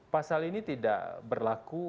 pasal ini tidak berlaku